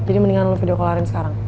jadi mendingan lo video call arin sekarang